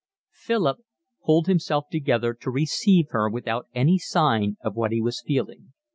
Philip pulled himself together to receive her without any sign of what he was feeling.